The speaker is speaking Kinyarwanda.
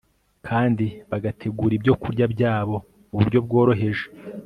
kandi bagategura ibyokurya byabo mu buryo bworoheje